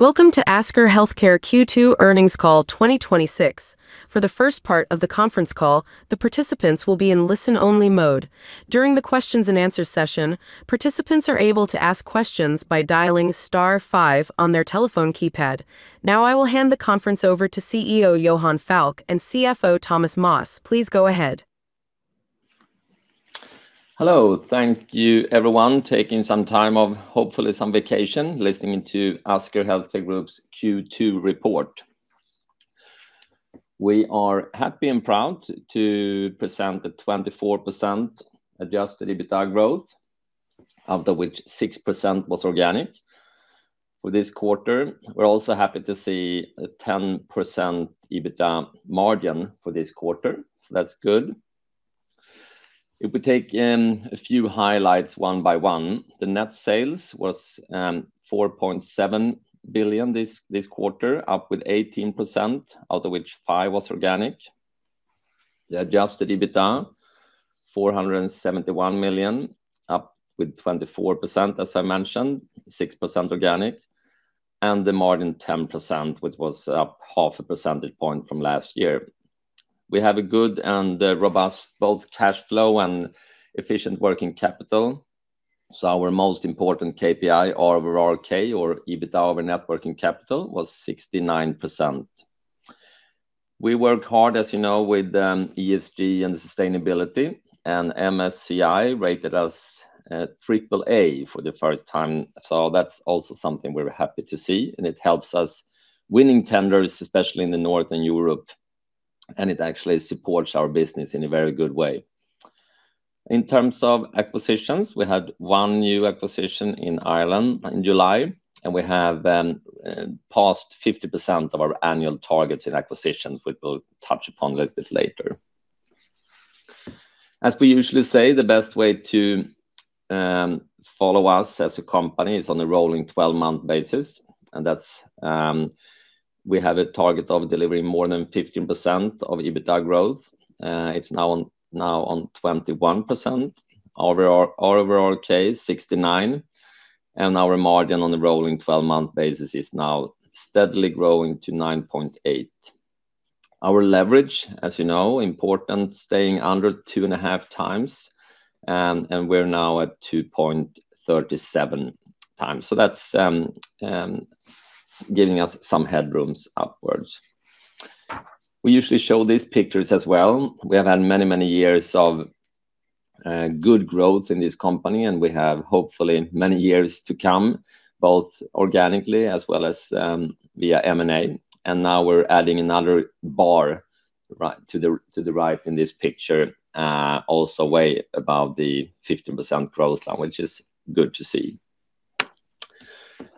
Welcome to Asker Healthcare Group Q2 earnings call 2026. For the first part of the conference call, the participants will be in listen-only mode. During the questions-and-answers session, participants are able to ask questions by dialing star five on their telephone keypad. Now I will hand the conference over to Chief Executive Officer Johan Falk and Chief Financial Officer Thomas Moss. Please go ahead. Hello. Thank you everyone taking some time off, hopefully some vacation, listening to Asker Healthcare Group's Q2 report. We are happy and proud to present the 24% adjusted EBITA growth, of which 6% was organic for this quarter. We are also happy to see a 10% EBITA margin for this quarter. That is good. If we take in a few highlights one by one. The net sales was 4.7 billion this quarter, up with 18%, out of which 5% was organic. The adjusted EBITA 471 million, up with 24%, as I mentioned, 6% organic. The margin 10%, which was up 0.5 percentage point from last year. We have a good and robust both cash flow and efficient working capital. Our most important KPI, our RONWC or EBITA of our net working capital, was 69%. We work hard, as you know, with ESG and sustainability. MSCI rated us at triple A for the first time. That is also something we are happy to see. It helps us winning tenders, especially in Northern Europe. It actually supports our business in a very good way. In terms of acquisitions, we had one new acquisition in Ireland in July. We have passed 50% of our annual targets in acquisitions, which we will touch upon a little bit later. As we usually say, the best way to follow us as a company is on a rolling 12-month basis. We have a target of delivering more than 15% of EBITA growth. It is now on 21%. Our RONWC is 69%, and our margin on the rolling 12-month basis is now steadily growing to 9.8%. Our leverage, as you know, important, staying under 2.5x. We are now at 2.37x. That is giving us some headrooms upwards. We usually show these pictures as well. We have had many, many years of good growth in this company, and we have hopefully many years to come, both organically as well as via M&A. Now we are adding another bar to the right in this picture. Also way above the 15% growth line, which is good to see.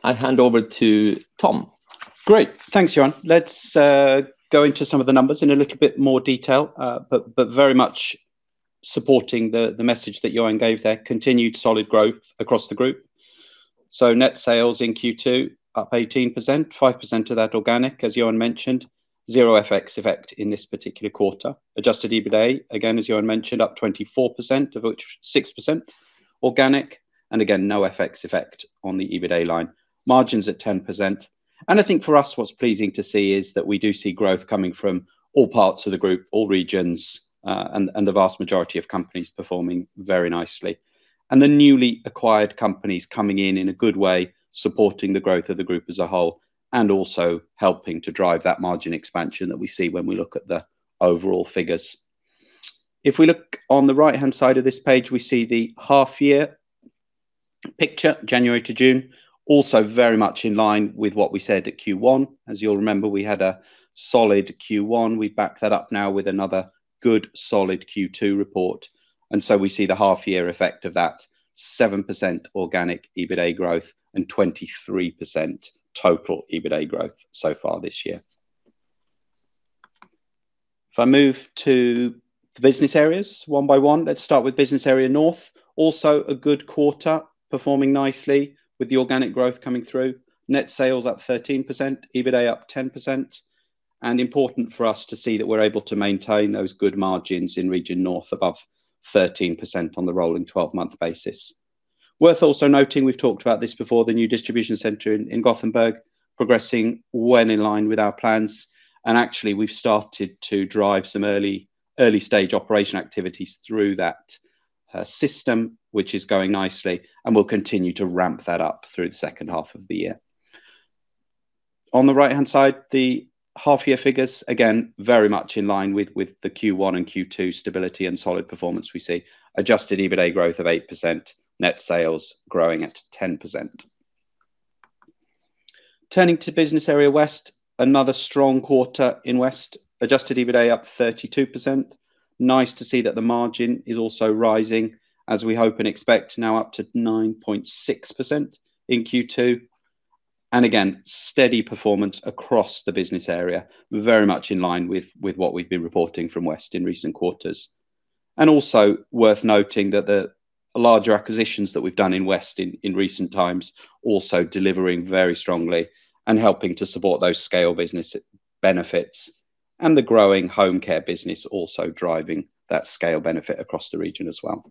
I hand over to Thomas. Great. Thanks, Johan. Let's go into some of the numbers in a little bit more detail. Very much supporting the message that Johan gave there, continued solid growth across the group. Net sales in Q2 up 18%, 5% of that organic, as Johan mentioned, 0% FX effect in this particular quarter. Adjusted EBITDA, again as Johan mentioned, up 24%, of which 6% organic, and again, no FX effect on the EBITDA line. Margins at 10%. I think for us what's pleasing to see is that we do see growth coming from all parts of the group, all regions, and the vast majority of companies performing very nicely. The newly acquired companies coming in in a good way, supporting the growth of the group as a whole, and also helping to drive that margin expansion that we see when we look at the overall figures. If we look on the right-hand side of this page, we see the half-year picture, January to June, also very much in line with what we said at Q1. As you'll remember, we had a solid Q1. We've backed that up now with another good solid Q2 report, so we see the half-year effect of that 7% organic EBITDA growth and 23% total EBITDA growth so far this year. If I move to the business areas one by one, let's start with Business Area North. Also a good quarter, performing nicely with the organic growth coming through. Net sales up 13%, EBITDA up 10%. Important for us to see that we're able to maintain those good margins in Business Area North above 13% on the rolling 12-month basis. Worth also noting, we've talked about this before, the new distribution center in Gothenburg progressing well in line with our plans. Actually we've started to drive some early stage operation activities through that system, which is going nicely and will continue to ramp that up through the second half of the year. On the right-hand side, the half-year figures, again, very much in line with the Q1 and Q2 stability and solid performance we see. Adjusted EBITDA growth of 8%, net sales growing at 10%. Turning to Business Area West, another strong quarter in Business Area West. Adjusted EBITDA up 32%. Nice to see that the margin is also rising as we hope and expect now up to 9.6% in Q2, again, steady performance across the business area. We're very much in line with what we've been reporting from Business Area West in recent quarters. Also worth noting that the larger acquisitions that we've done in Business Area West in recent times also delivering very strongly and helping to support those scale business benefits and the growing home care business also driving that scale benefit across the region as well.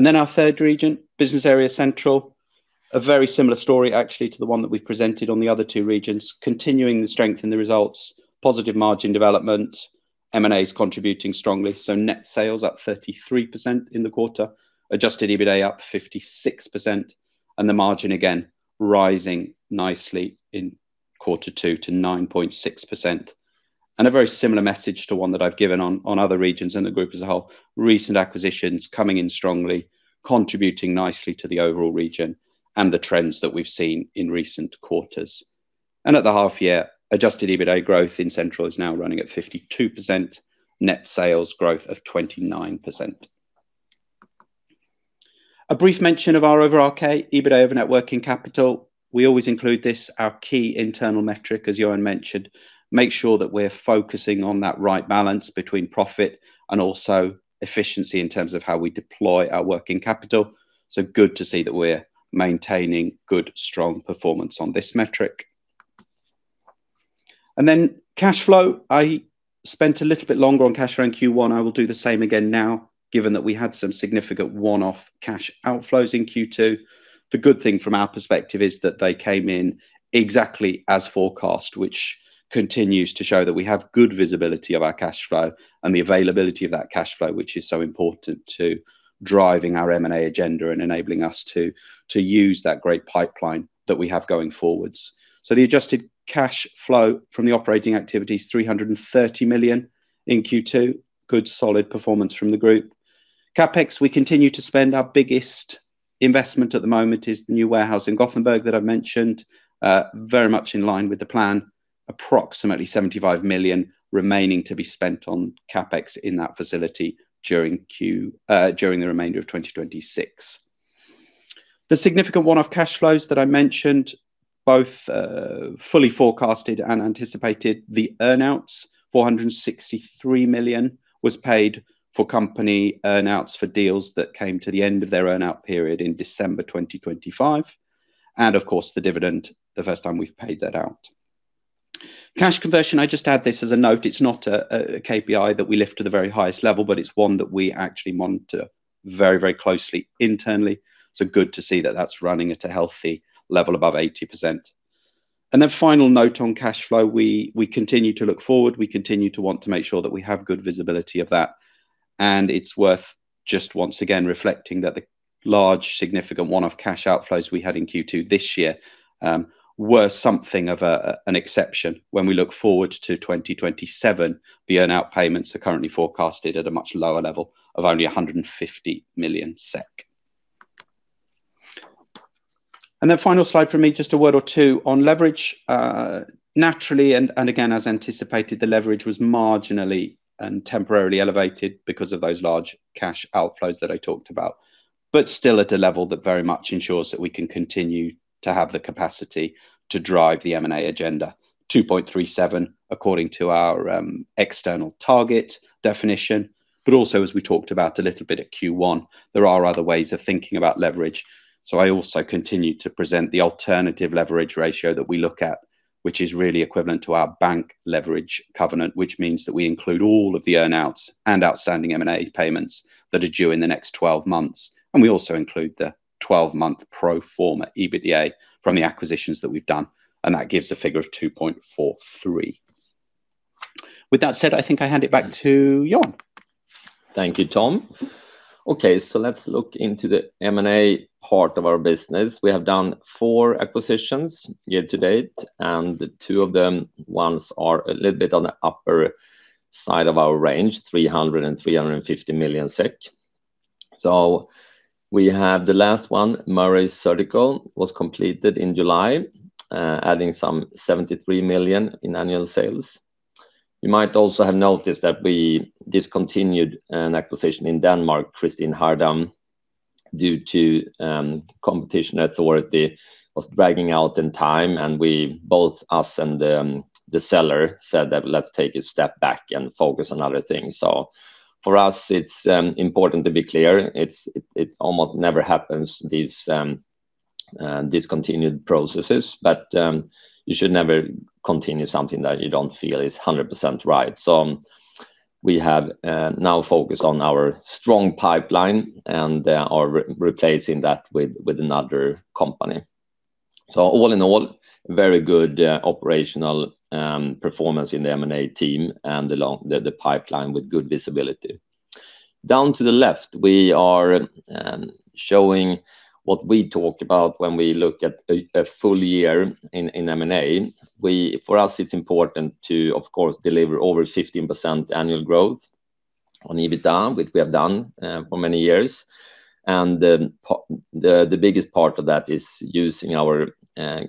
Then our third region, Business Area Central, a very similar story actually to the one that we've presented on the other two regions, continuing the strength in the results, positive margin development, M&A is contributing strongly. Net sales up 33% in the quarter, Adjusted EBITDA up 56%, the margin, again, rising nicely in Q2 to 9.6%. A very similar message to one that I've given on other regions and the group as a whole, recent acquisitions coming in strongly, contributing nicely to the overall region and the trends that we've seen in recent quarters. At the half-year, adjusted EBITDA growth in Central is now running at 52%, net sales growth of 29%. A brief mention of our overall EBITDA over net working capital. We always include this, our key internal metric, as Johan mentioned, make sure that we're focusing on that right balance between profit and also efficiency in terms of how we deploy our working capital. Good to see that we're maintaining good, strong performance on this metric. Cash flow. I spent a little bit longer on cash flow in Q1. I will do the same again now, given that we had some significant one-off cash outflows in Q2. The good thing from our perspective is that they came in exactly as forecast, which continues to show that we have good visibility of our cash flow and the availability of that cash flow, which is so important to driving our M&A agenda and enabling us to use that great pipeline that we have going forwards. The adjusted cash flow from the operating activities, 330 million in Q2, good solid performance from the group. CapEx, we continue to spend our biggest investment at the moment is the new warehouse in Gothenburg that I've mentioned, very much in line with the plan, approximately 75 million remaining to be spent on CapEx in that facility during the remainder of 2026. The significant one-off cash flows that I mentioned, both fully forecasted and anticipated the earn-outs, 463 million was paid for company earn-outs for deals that came to the end of their earn-out period in December 2025. Of course, the dividend, the first time we've paid that out. Cash conversion, I just add this as a note. It's not a KPI that we lift to the very highest level, but it's one that we actually monitor very closely internally. Good to see that that's running at a healthy level above 80%. Final note on cash flow, we continue to look forward. We continue to want to make sure that we have good visibility of that. It's worth just once again reflecting that the large significant one-off cash outflows we had in Q2 this year were something of an exception. When we look forward to 2027, the earn-out payments are currently forecasted at a much lower level of only 150 million SEK. Final slide from me, just a word or two on leverage. Naturally, and again, as anticipated, the leverage was marginally and temporarily elevated because of those large cash outflows that I talked about, but still at a level that very much ensures that we can continue to have the capacity to drive the M&A agenda. 2.37x according to our external target definition. Also, as we talked about a little bit at Q1, there are other ways of thinking about leverage. I also continue to present the alternative leverage ratio that we look at which is really equivalent to our bank leverage covenant, which means that we include all of the earn-outs and outstanding M&A payments that are due in the next 12 months. We also include the 12-month pro forma EBITDA from the acquisitions that we've done, and that gives a figure of 2.43. With that said, I think I hand it back to Johan. Thank you, Thomas. Let's look into the M&A part of our business. We have done four acquisitions year-to-date, two of the ones are a little bit on the upper side of our range, 300 million-350 million SEK. We have the last one, Murray Surgical, was completed in July, adding some 73 million in annual sales. You might also have noticed that we discontinued an acquisition in Denmark, Kirstine Hardam, due to competition authority was dragging out in time, and both us and the seller said that let's take a step back and focus on other things. For us, it's important to be clear, it almost never happens, these discontinued processes, but you should never continue something that you don't feel is 100% right. We have now focused on our strong pipeline and are replacing that with another company. All in all, very good operational performance in the M&A team and the pipeline with good visibility. Down to the left, we are showing what we talked about when we look at a full year in M&A. For us, it's important to, of course, deliver over 15% annual growth on EBITDA, which we have done for many years. The biggest part of that is using our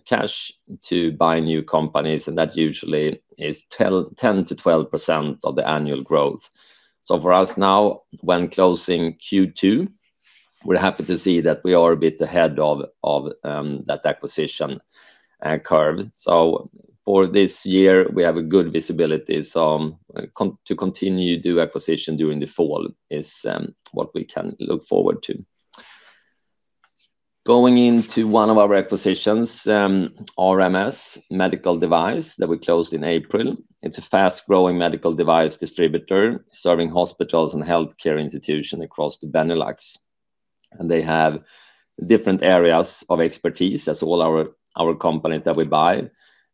cash to buy new companies, and that usually is 10%-12% of the annual growth. For us now, when closing Q2, we're happy to see that we are a bit ahead of that acquisition curve. For this year, we have a good visibility. To continue to do acquisition during the fall is what we can look forward to. Going into one of our acquisitions, RMS Medical Devices, that we closed in April. It's a fast-growing medical device distributor serving hospitals and healthcare institutions across the Benelux. They have different areas of expertise, as all our companies that we buy.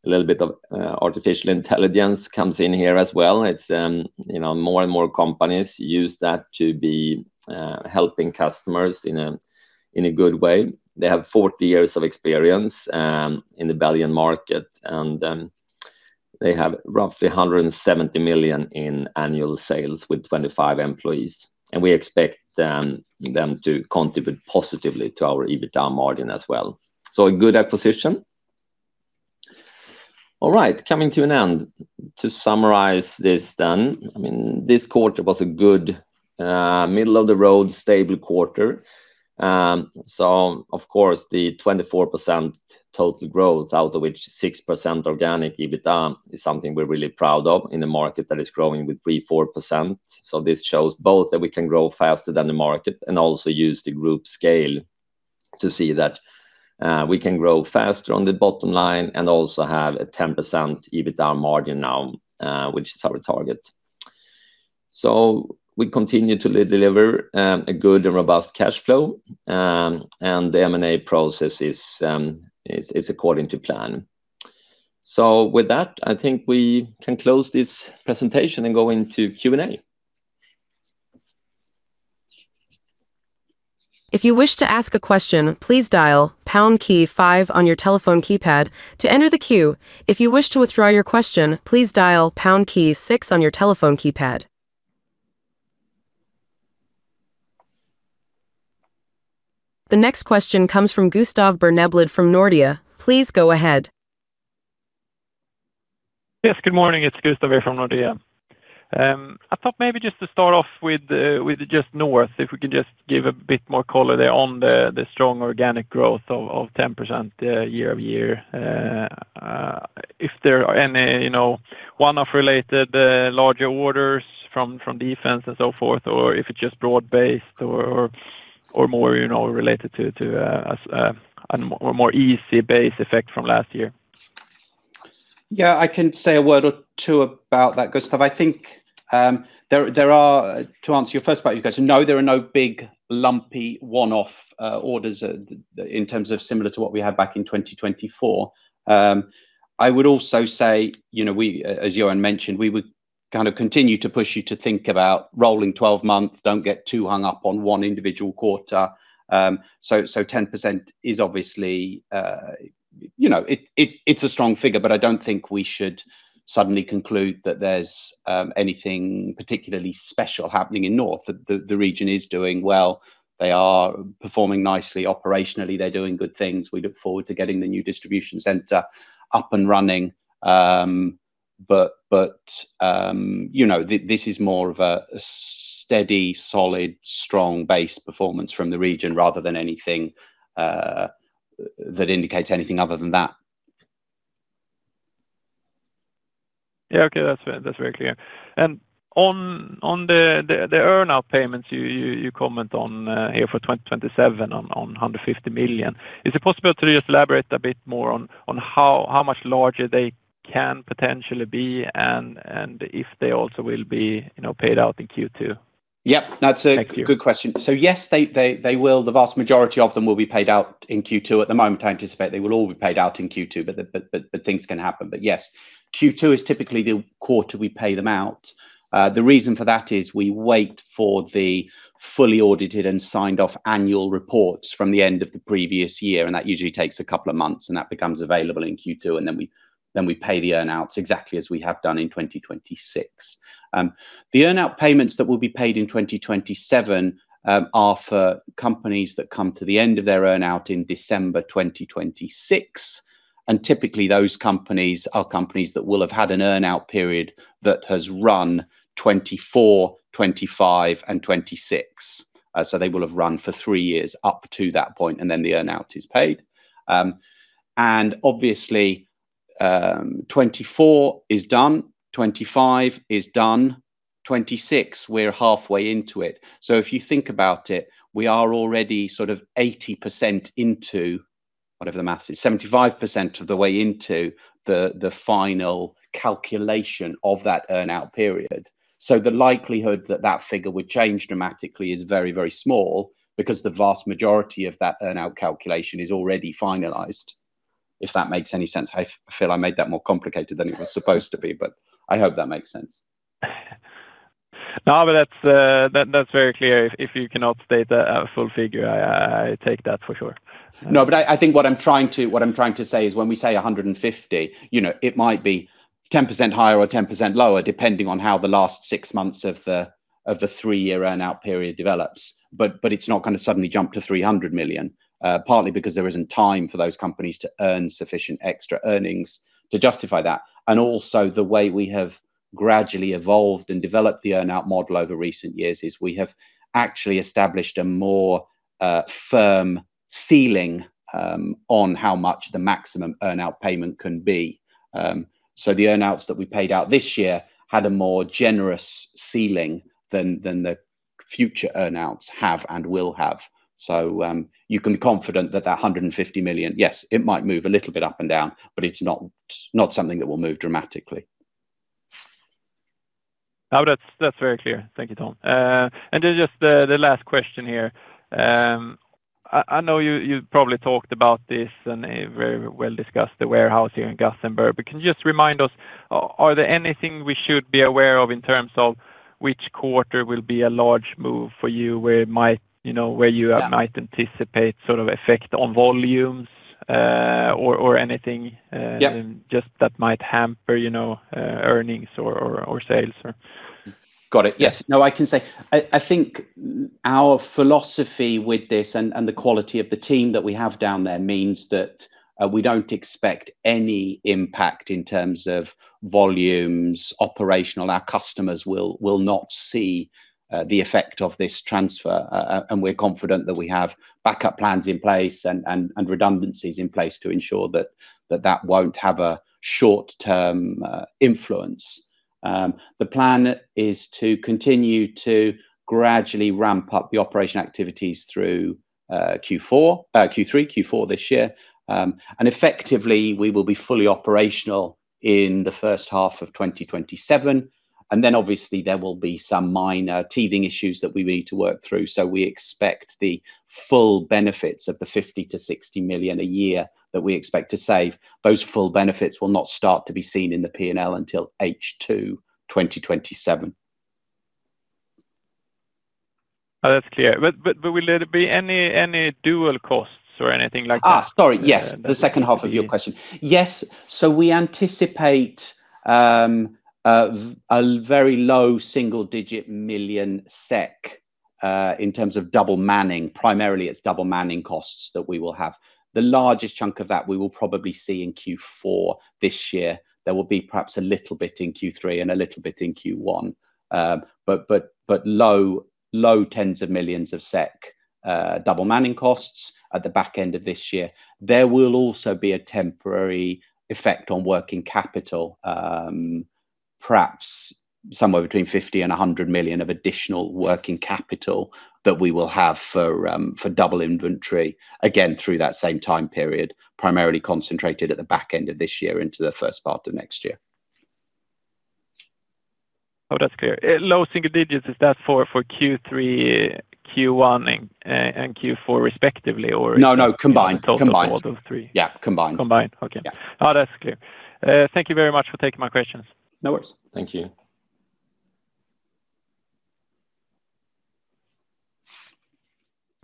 A little bit of artificial intelligence comes in here as well. More and more companies use that to be helping customers in a good way. They have 40 years of experience in the Benelux market, and they have roughly 170 million in annual sales with 25 employees. We expect them to contribute positively to our EBITDA margin as well. A good acquisition. All right. Coming to an end. To summarize this quarter was a good middle-of-the-road stable quarter. The 24% total growth out of which 6% organic EBITDA is something we're really proud of in a market that is growing with 3%-4%. This shows both that we can grow faster than the market and also use the group scale to see that we can grow faster on the bottom line and also have a 10% EBITDA margin now, which is our target. We continue to deliver a good and robust cash flow. The M&A process is according to plan. With that, I think we can close this presentation and go into Q&A. If you wish to ask a question, please dial number five on your telephone keypad to enter the queue. If you wish to withdraw your question, please dial number six on your telephone keypad. The next question comes from Gustav Berneblad from Nordea. Please go ahead. Yes, good morning. It's Gustav from Nordea. I thought maybe just to start off with just North, if we can just give a bit more color there on the strong organic growth of 10% year-over-year. If there are any one-off related larger orders from defense and so forth, or if it's just broad-based or more related to a more easy base effect from last year. Yeah. I can say a word or two about that, Gustav. To answer your first part, you guys, no, there are no big, lumpy one-off orders in terms of similar to what we had back in 2024. I would also say, as Johan mentioned, we would kind of continue to push you to think about rolling 12 months. Don't get too hung up on one individual quarter. 10% it's a strong figure, but I don't think we should suddenly conclude that there's anything particularly special happening in North. The region is doing well. They are performing nicely operationally. They're doing good things. We look forward to getting the new distribution center up and running. This is more of a steady, solid, strong base performance from the region rather than anything that indicates anything other than that. Yeah. Okay. That's very clear. On the earnout payments you comment on here for 2027 on 150 million. Is it possible to just elaborate a bit more on how much larger they can potentially be and if they also will be paid out in Q2? Yep. Thank you Good question. Yes, they will. The vast majority of them will be paid out in Q2. At the moment, I anticipate they will all be paid out in Q2, but things can happen. Yes, Q2 is typically the quarter we pay them out. The reason for that is we wait for the fully audited and signed-off annual reports from the end of the previous year, and that usually takes a couple of months, and that becomes available in Q2. Then we pay the earnouts exactly as we have done in 2026. The earnout payments that will be paid in 2027 are for companies that come to the end of their earnout in December 2026. Typically, those companies are companies that will have had an earnout period that has run 2024, 2025 and 2026. They will have run for three years up to that point, and then the earnout is paid. Obviously, 2024 is done, 2025 is done. 2026, we're halfway into it. If you think about it, we are already sort of 80% into, whatever the maths is, 75% of the way into the final calculation of that earnout period. The likelihood that that figure would change dramatically is very small because the vast majority of that earnout calculation is already finalized. If that makes any sense. I feel I made that more complicated than it was supposed to be, but I hope that makes sense. That's very clear. If you cannot state a full figure, I take that for sure. I think what I'm trying to say is when we say 150 million, it might be 10% higher or 10% lower, depending on how the last six months of the three-year earnout period develops. It's not going to suddenly jump to 300 million, partly because there isn't time for those companies to earn sufficient extra earnings to justify that. Also, the way we have gradually evolved and developed the earnout model over recent years is we have actually established a more firm ceiling on how much the maximum earn-out payment can be. The earn-outs that we paid out this year had a more generous ceiling than the future earn-outs have and will have. You can be confident that that 150 million, yes, it might move a little bit up and down, but it's not something that will move dramatically. That's very clear. Thank you, Tom. Just the last question here. I know you probably talked about this and very well discussed the warehouse here in Gothenburg, can you just remind us, are there anything we should be aware of in terms of which quarter will be a large move for you where you might anticipate effect on volumes or anything Yeah Just that might hamper earnings or sales? Got it. Yes. No, I can say, I think our philosophy with this and the quality of the team that we have down there means that we don't expect any impact in terms of volumes operational. Our customers will not see the effect of this transfer. We're confident that we have backup plans in place and redundancies in place to ensure that that won't have a short-term influence. The plan is to continue to gradually ramp up the operation activities through Q3, Q4 this year. Effectively, we will be fully operational in the first half of 2027. Then obviously there will be some minor teething issues that we need to work through. We expect the full benefits of the 50 million-60 million a year that we expect to save. Those full benefits will not start to be seen in the P&L until H2 2027. That's clear. Will there be any dual costs or anything like that? Sorry, yes. The second half of your question. Yes. We anticipate a very low single-digit million SEK in terms of double manning. Primarily, it's double manning costs that we will have. The largest chunk of that we will probably see in Q4 this year. There will be perhaps a little bit in Q3 and a little bit in Q1. Low tens of millions of SEK double manning costs at the back end of this year. There will also be a temporary effect on working capital perhaps somewhere between 50 million-100 million of additional working capital that we will have for double inventory, again, through that same time period, primarily concentrated at the back end of this year into the first part of next year. Oh, that's clear. Low single digits, is that for Q3, Q1, and Q4 respectively or- No combined. Total for all those three? Yeah, combined. Combined. Okay. Yeah. That's clear. Thank you very much for taking my questions. No worries. Thank you.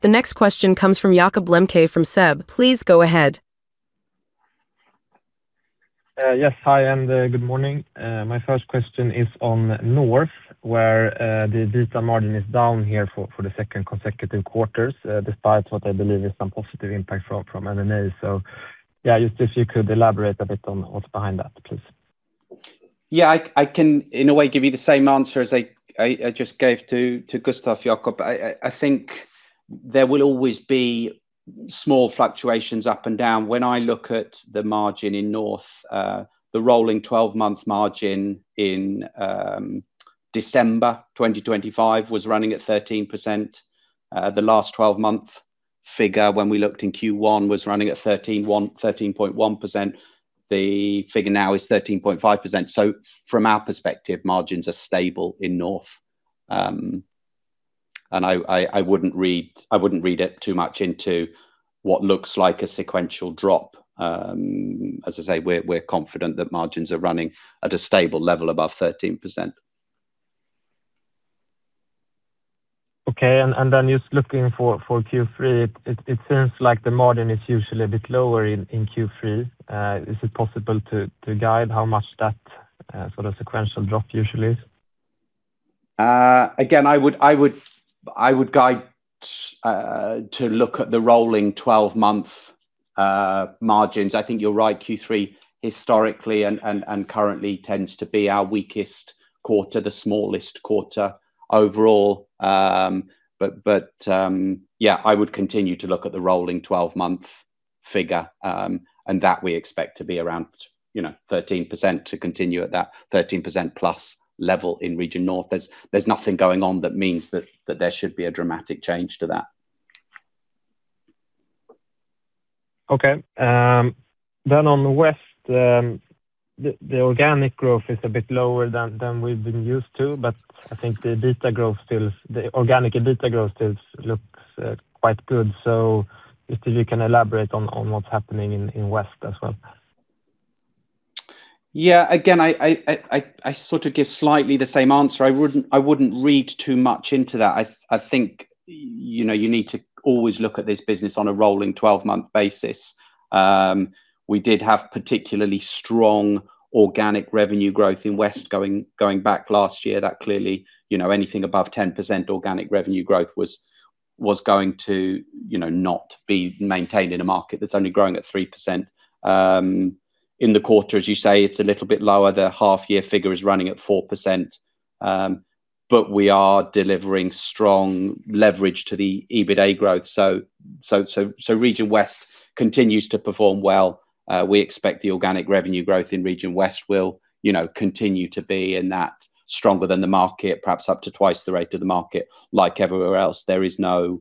The next question comes from Jakob Lembke from SEB. Please go ahead. Yes, hi and good morning. My first question is on Business Area North, where the EBITDA margin is down here for the second consecutive quarters, despite what I believe is some positive impact from M&A. Just if you could elaborate a bit on what's behind that, please. Yeah, I can in a way give you the same answer as I just gave to Gustav, Jakob. I think there will always be small fluctuations up and down. When I look at the margin in Business Area North, the rolling 12-month margin in December 2025 was running at 13%. The last 12-month figure when we looked in Q1 was running at 13.1%. The figure now is 13.5%. From our perspective, margins are stable in Business Area North. I wouldn't read it too much into what looks like a sequential drop. As I say, we're confident that margins are running at a stable level above 13%. Okay, just looking for Q3, it seems like the margin is usually a bit lower in Q3. Is it possible to guide how much that sort of sequential drop usually is? Again, I would guide to look at the rolling 12-month margins. I think you're right, Q3 historically and currently tends to be our weakest quarter, the smallest quarter overall. I would continue to look at the rolling 12-month figure, and that we expect to be around 13% to continue at that 13%+ level in Business Area North. There's nothing going on that means that there should be a dramatic change to that. Okay. On West, the organic growth is a bit lower than we've been used to, I think the organic EBITDA growth still looks quite good. Just if you can elaborate on what's happening in West as well. Yeah, again, I give slightly the same answer. I wouldn't read too much into that. I think you need to always look at this business on a rolling 12-month basis. We did have particularly strong organic revenue growth in West going back last year that clearly anything above 10% organic revenue growth was going to not be maintained in a market that's only growing at 3%. In the quarter, as you say, it's a little bit lower. The half year figure is running at 4%. We are delivering strong leverage to the EBITDA growth. Region West continues to perform well. We expect the organic revenue growth in Region West will continue to be in that stronger than the market, perhaps up to twice the rate of the market. Like everywhere else, there is no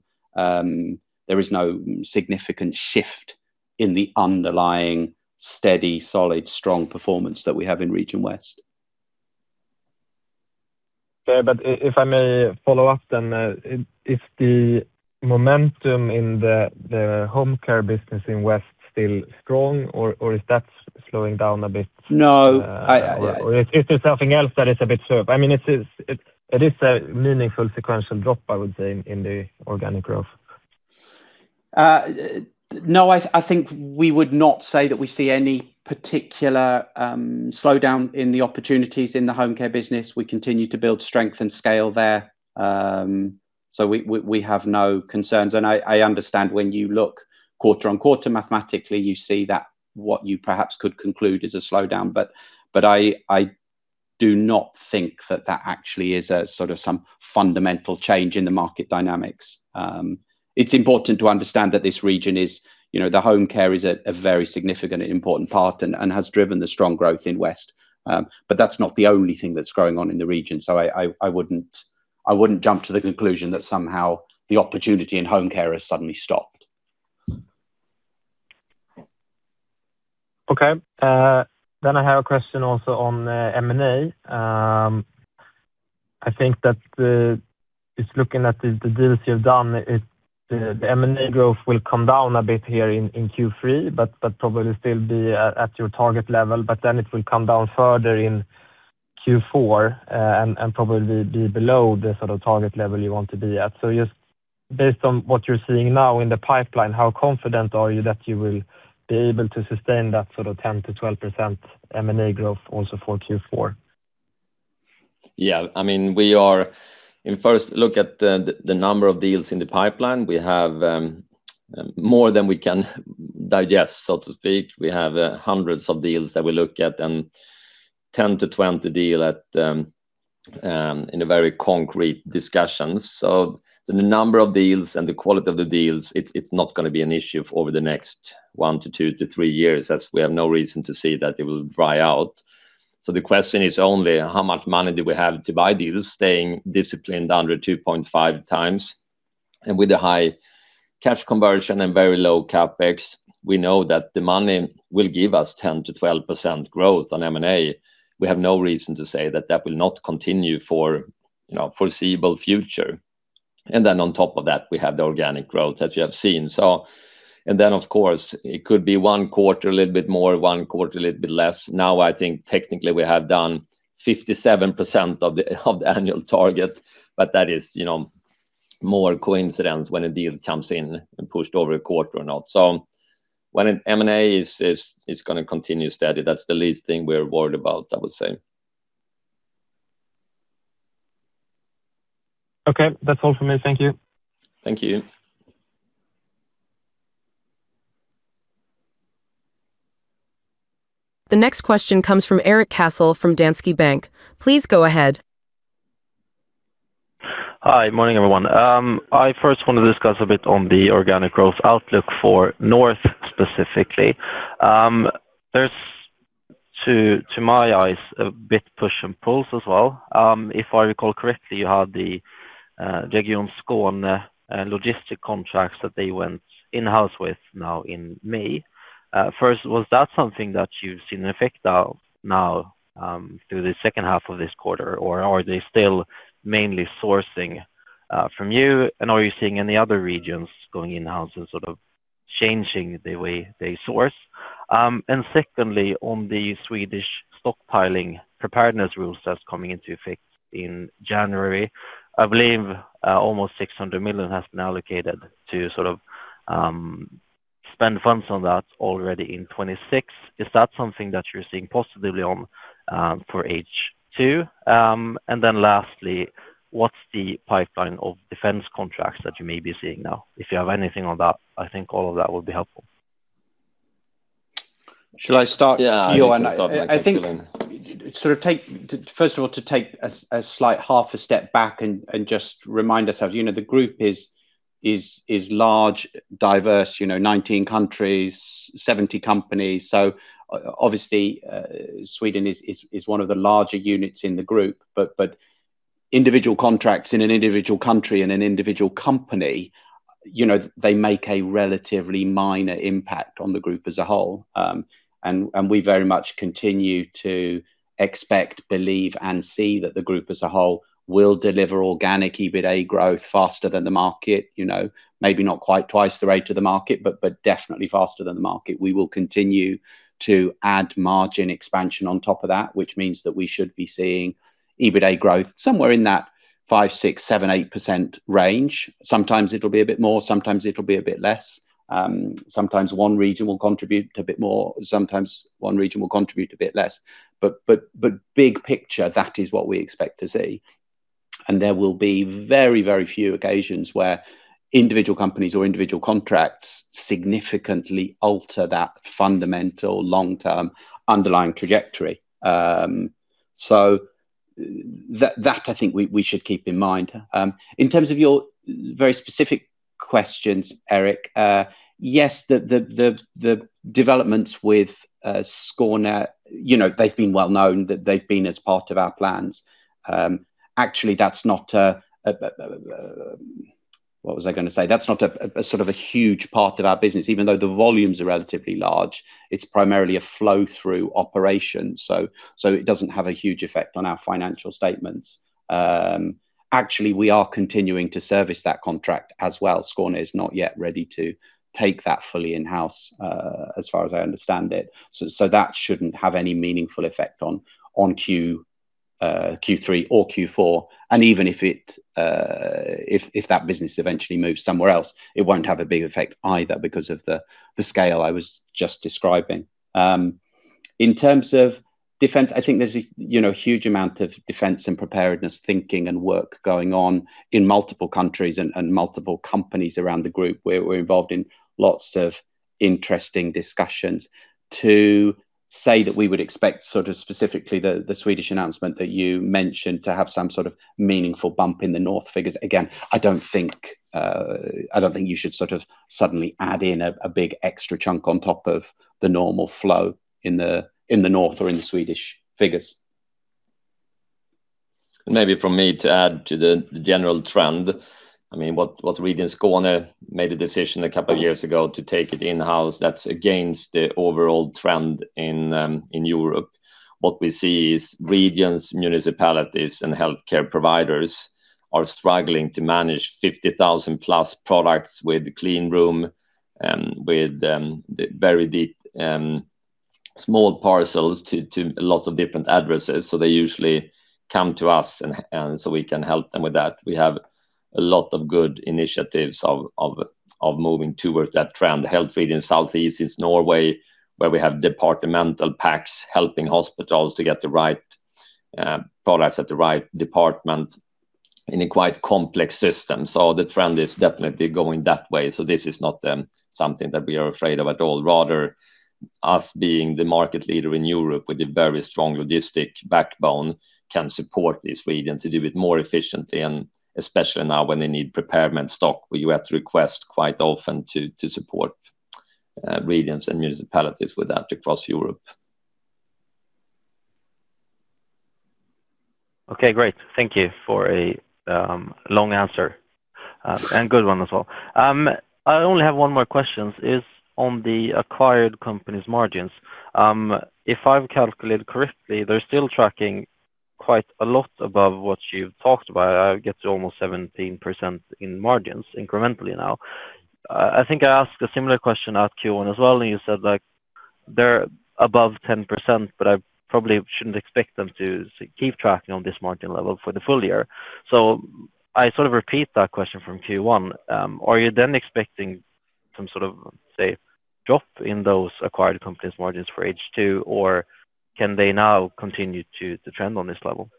significant shift in the underlying steady, solid, strong performance that we have in Region West. Okay. If I may follow up, is the momentum in the home care business in West still strong, or is that slowing down a bit? No. Is there something else that is a meaningful sequential drop, I would say, in the organic growth. I think we would not say that we see any particular slowdown in the opportunities in the home care business. We continue to build strength and scale there. We have no concerns. I understand when you look quarter-over-quarter, mathematically, you see that what you perhaps could conclude is a slowdown. I do not think that that actually is a sort of some fundamental change in the market dynamics. It's important to understand that this region is, the home care is a very significant and important part and has driven the strong growth in Business Area West. That's not the only thing that's going on in the region. I wouldn't jump to the conclusion that somehow the opportunity in home care has suddenly stopped. I have a question also on M&A. I think that just looking at the deals you've done, the M&A growth will come down a bit here in Q3, but probably still be at your target level, then it will come down further in Q4 and probably be below the sort of target level you want to be at. Just based on what you're seeing now in the pipeline, how confident are you that you will be able to sustain that sort of 10%-12% M&A growth also for Q4? If I look at the number of deals in the pipeline, we have more than we can digest, so to speak. We have hundreds of deals that we look at and 10 deals-20 deals at in a very concrete discussions. The number of deals and the quality of the deals, it's not going to be an issue over the next one to two to three years, as we have no reason to see that it will dry out. The question is only how much money do we have to buy deals, staying disciplined under 2.5x? With a high cash conversion and very low CapEx, we know that the money will give us 10%-12% growth on M&A. We have no reason to say that that will not continue for foreseeable future. On top of that, we have the organic growth that you have seen. Of course, it could be one quarter a little bit more, one quarter a little bit less. I think technically we have done 57% of the annual target, but that is more coincidence when a deal comes in and pushed over a quarter or not. M&A is going to continue steady. That's the least thing we're worried about, I would say. Okay. That's all from me. Thank you. Thank you. The next question comes from Erik Cassel from Danske Bank. Please go ahead. Hi. Morning, everyone. I first want to discuss a bit on the organic growth outlook for North specifically. There is, to my eyes, a bit push and pull as well. If I recall correctly, you had the Region Skåne logistic contracts that they went in-house with now in May. First, was that something that you have seen an effect of now through the second half of this quarter, or are they still mainly sourcing from you? Are you seeing any other regions going in-house and sort of changing the way they source? Secondly, on the Swedish stockpiling preparedness rules that is coming into effect in January, I believe almost 600 million has been allocated to sort of spend funds on that already in 2026. Is that something that you are seeing positively on for H2? Lastly, what is the pipeline of defense contracts that you may be seeing now? If you have anything on that, I think all of that would be helpful. Should I start? Yeah. I think first of all, to take a slight half a step back and just remind ourselves the group is large, diverse, 19 countries, 70 companies. Obviously, Sweden is one of the larger units in the group. Individual contracts in an individual country and an individual company they make a relatively minor impact on the group as a whole. We very much continue to expect, believe, and see that the group as a whole will deliver organic EBITDA growth faster than the market. Maybe not quite twice the rate of the market, but definitely faster than the market. We will continue to add margin expansion on top of that, which means that we should be seeing EBITDA growth somewhere in that 5%-8% range. Sometimes it will be a bit more, sometimes it will be a bit less. Sometimes one region will contribute a bit more, sometimes one region will contribute a bit less. Big picture, that is what we expect to see. There will be very, very few occasions where individual companies or individual contracts significantly alter that fundamental long-term underlying trajectory. That I think we should keep in mind. In terms of your very specific questions, Erik. Yes, the developments with Region Skåne, they've been well known. They've been as part of our plans. Actually, that's not a huge part of our business, even though the volumes are relatively large. It's primarily a flow-through operation, so it doesn't have a huge effect on our financial statements. Actually, we are continuing to service that contract as well. Region Skåne is not yet ready to take that fully in-house, as far as I understand it. That shouldn't have any meaningful effect on Q3 or Q4. Even if that business eventually moves somewhere else, it won't have a big effect either because of the scale I was just describing. In terms of defense, I think there's a huge amount of defense and preparedness thinking and work going on in multiple countries and multiple companies around the group. We're involved in lots of interesting discussions. To say that we would expect specifically the Swedish announcement that you mentioned to have some sort of meaningful bump in the North figures, again, I don't think you should suddenly add in a big extra chunk on top of the normal flow in the North or in the Swedish figures. Maybe from me to add to the general trend. Region Skåne made a decision a couple of years ago to take it in-house, that's against the overall trend in Europe. What we see is regions, municipalities, and healthcare providers are struggling to manage 50,000+ products with clean room, with very deep small parcels to lots of different addresses. They usually come to us so we can help them with that. We have a lot of good initiatives of moving towards that trend. Health Region South-Eastern Norway, where we have departmental packs helping hospitals to get the right products at the right department in a quite complex system. The trend is definitely going that way. This is not something that we are afraid of at all. Us being the market leader in Europe with a very strong logistic backbone can support this region to do it more efficiently, and especially now when they need prepared stock. We have to request quite often to support regions and municipalities with that across Europe. Okay, great. Thank you for a long answer, and good one as well. I only have one more question. It's on the acquired company's margins. If I've calculated correctly, they're still tracking quite a lot above what you've talked about. I get to almost 17% in margins incrementally now. I think I asked a similar question at Q1 as well, and you said they're above 10%, but I probably shouldn't expect them to keep tracking on this margin level for the full year. I sort of repeat that question from Q1. Are you then expecting some sort of, say, drop in those acquired companies' margins for H2, or can they now continue to trend on this level?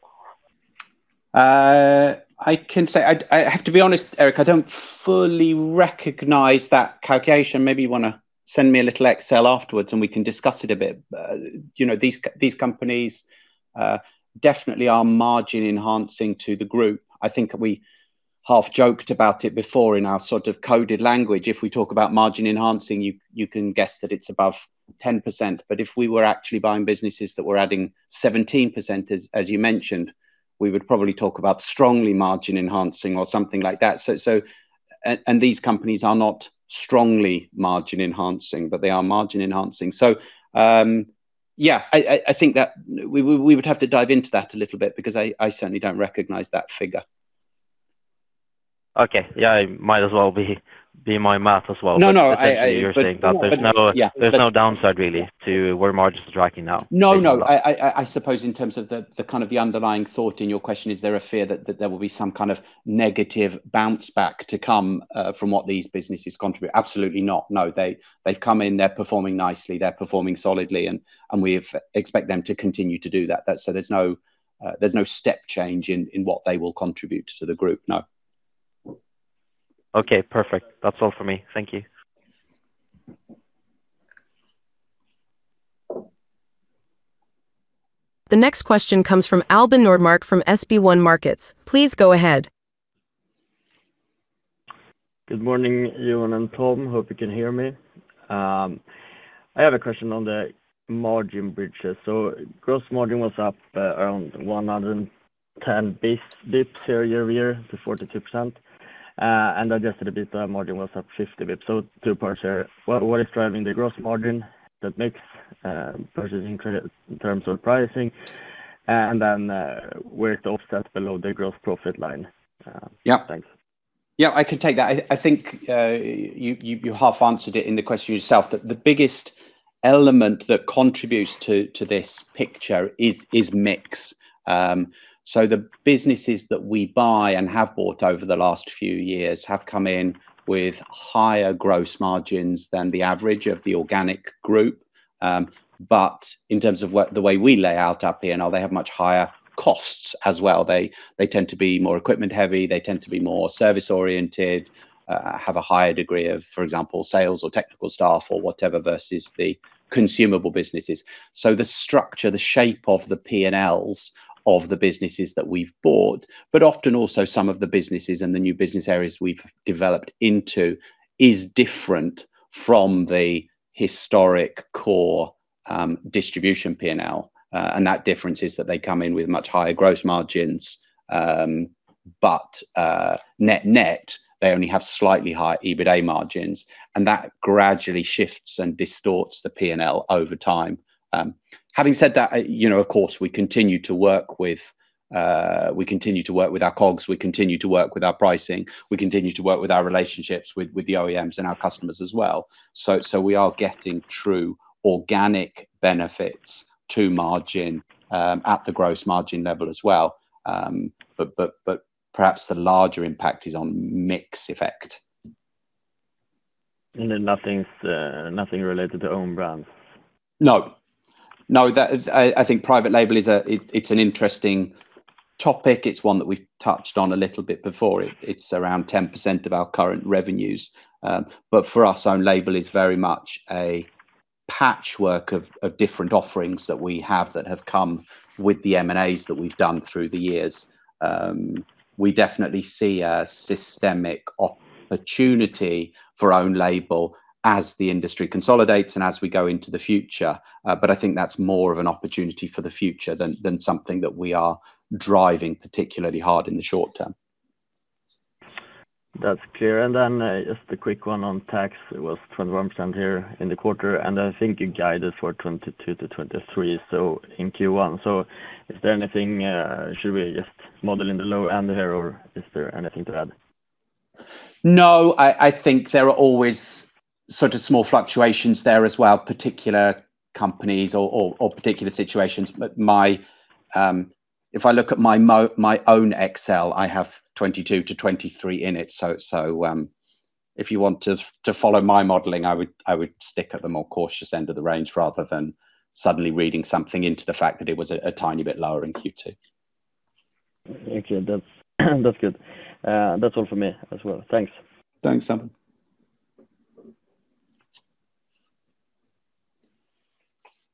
I have to be honest, Erik, I don't fully recognize that calculation. Maybe you want to send me a little Excel afterwards, and we can discuss it a bit. These companies definitely are margin-enhancing to the group. I think we half joked about it before in our coded language. If we talk about margin enhancing, you can guess that it's above 10%. If we were actually buying businesses that were adding 17%, as you mentioned, we would probably talk about strongly margin enhancing or something like that. These companies are not strongly margin enhancing, but they are margin enhancing. Yeah, I think that we would have to dive into that a little bit because I certainly don't recognize that figure. Okay. Yeah, it might as well be my math as well. No. Essentially you're saying that there's no downside really to where margin is tracking now. No. I suppose in terms of the underlying thought in your question, is there a fear that there will be some kind of negative bounce back to come from what these businesses contribute? Absolutely not. No. They've come in, they're performing nicely, they're performing solidly, and we expect them to continue to do that. There's no step change in what they will contribute to the group, no. Okay, perfect. That's all for me. Thank you. The next question comes from Albin Nordmark from SB1 Markets. Please go ahead. Good morning, Johan and Tom. Hope you can hear me. I have a question on the margin bridges. Gross margin was up around 110 basis points year-over-year to 42%, and adjusted EBITDA margin was up 50 basis points. Two parts here. What is driving the gross margin that makes purchasing credit in terms of pricing? Then where it offsets below the gross profit line? Yep. Thanks. Yeah, I can take that. I think you half answered it in the question yourself, that the biggest element that contributes to this picture is mix. The businesses that we buy and have bought over the last few years have come in with higher gross margins than the average of the organic group. In terms of the way we lay out our P&L, they have much higher costs as well. They tend to be more equipment heavy. They tend to be more service oriented, have a higher degree of, for example, sales or technical staff or whatever versus the consumable businesses. The structure, the shape of the P&Ls of the businesses that we've bought, but often also some of the businesses and the new business areas we've developed into is different from the historic core distribution P&L. That difference is that they come in with much higher gross margins. Net net, they only have slightly higher EBITDA margins, and that gradually shifts and distorts the P&L over time. Having said that, of course, we continue to work with our COGS, we continue to work with our pricing, we continue to work with our relationships with the OEMs and our customers as well. We are getting true organic benefits to margin at the gross margin level as well. Perhaps the larger impact is on mix effect. Nothing related to own brands? No. I think private label it's an interesting topic. It's one that we've touched on a little bit before. It's around 10% of our current revenues. For us, own label is very much a patchwork of different offerings that we have that have come with the M&As that we've done through the years. We definitely see a systemic opportunity for own label as the industry consolidates and as we go into the future. I think that's more of an opportunity for the future than something that we are driving particularly hard in the short term. That's clear. Just a quick one on tax. It was 21% here in the quarter, and I think you guided for 22%-23%, in Q1. Is there anything, should we just model in the low end here or is there anything to add? No, I think there are always sort of small fluctuations there as well, particular companies or particular situations. If I look at my own Excel, I have 22%-23% in it. If you want to follow my modeling, I would stick at the more cautious end of the range rather than suddenly reading something into the fact that it was a tiny bit lower in Q2. Okay. That's good. That's all from me as well. Thanks. Thanks, Albin.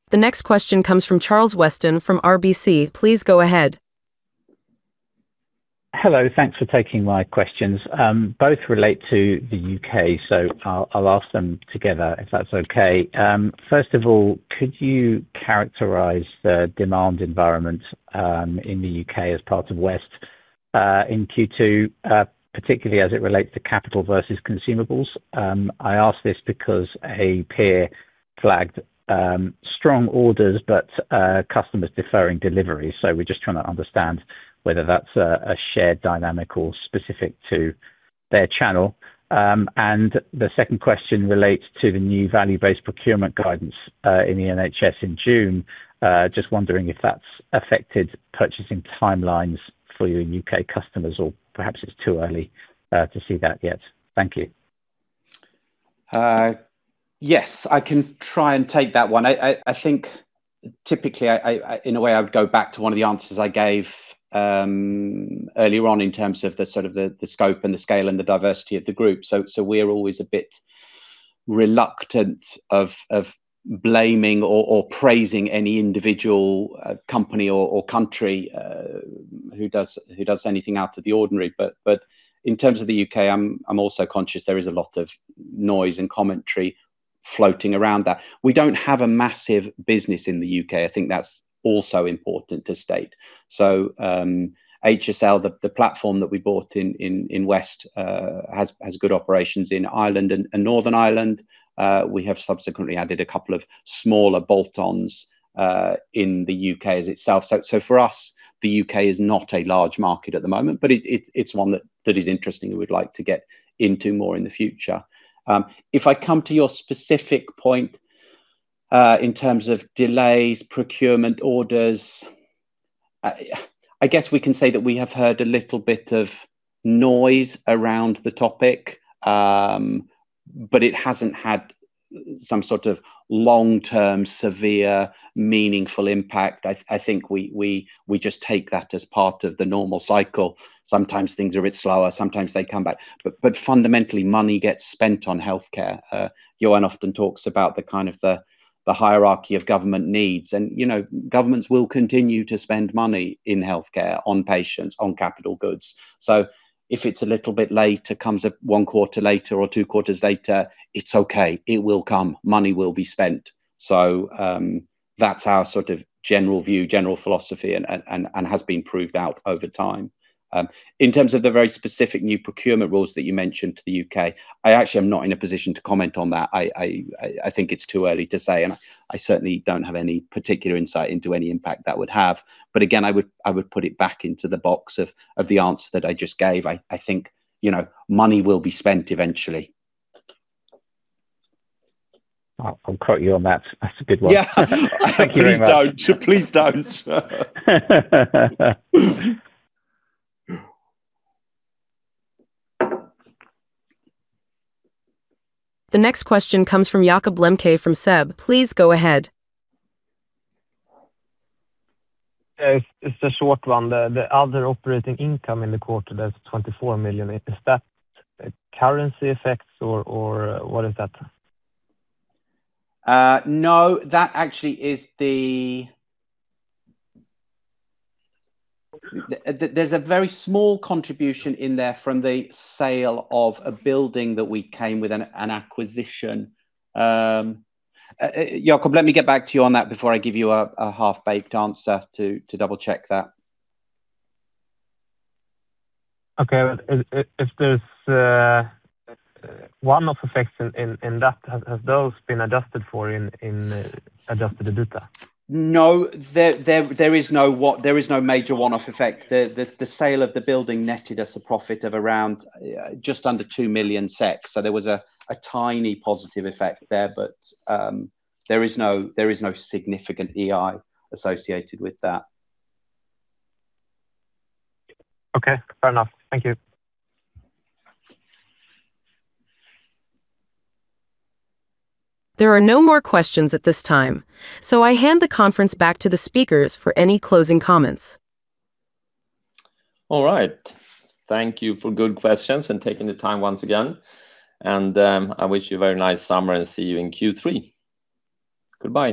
The next question comes from Charles Weston from RBC Capital Markets. Please go ahead. Hello. Thanks for taking my questions. Both relate to the U.K., so I'll ask them together if that's okay. First of all, could you characterize the demand environment in the U.K. as part of Business Area West in Q2, particularly as it relates to capital versus consumables? I ask this because a peer flagged strong orders, but customers deferring deliveries. We're just trying to understand whether that's a shared dynamic or specific to their channel. The second question relates to the new value-based procurement guidance in the NHS in June. Just wondering if that's affected purchasing timelines for your U.K. customers, or perhaps it's too early to see that yet. Thank you. Yes. I can try and take that one. I think typically, in a way, I would go back to one of the answers I gave earlier on in terms of the scope and the scale and the diversity of the group. We're always a bit reluctant of blaming or praising any individual company or country who does anything out of the ordinary. In terms of the U.K., I'm also conscious there is a lot of noise and commentary floating around that. We don't have a massive business in the U.K. I think that's also important to state. Hospital Services Limited, the platform that we bought in Business Area West has good operations in Ireland and Northern Ireland. We have subsequently added a couple of smaller bolt-ons in the U.K. as itself. For us, the U.K. is not a large market at the moment, but it's one that is interesting and we'd like to get into more in the future. If I come to your specific point in terms of delays, procurement orders, I guess we can say that we have heard a little bit of noise around the topic, but it hasn't had some sort of long-term, severe, meaningful impact. I think we just take that as part of the normal cycle. Sometimes things are a bit slower, sometimes they come back. Fundamentally, money gets spent on healthcare. Johan often talks about the hierarchy of government needs. Governments will continue to spend money in healthcare on patients, on capital goods. If it's a little bit later, comes one quarter later or two quarters later, it's okay. It will come, money will be spent. That's our sort of general view, general philosophy and has been proved out over time. In terms of the very specific new procurement rules that you mentioned to the U.K., I actually am not in a position to comment on that. I think it's too early to say, and I certainly don't have any particular insight into any impact that would have. Again, I would put it back into the box of the answer that I just gave. I think money will be spent eventually. I'll quote you on that. That's a good one. Yeah. Thank you very much. Please don't. The next question comes from Jakob Lembke from SEB. Please go ahead. Yeah. It's a short one. The other operating income in the quarter, that's 24 million. Is that currency effects or what is that? No, there's a very small contribution in there from the sale of a building that we came with an acquisition. Jakob, let me get back to you on that before I give you a half-baked answer to double-check that. Okay. If there's one-off effects in that, have those been adjusted for in adjusted EBITDA? No, there is no major one-off effect. The sale of the building netted us a profit of around just under 2 million. There was a tiny positive effect there, but there is no significant IAC associated with that. Okay. Fair enough. Thank you. There are no more questions at this time, so I hand the conference back to the speakers for any closing comments. All right. Thank you for good questions and taking the time once again. I wish you a very nice summer, and see you in Q3. Goodbye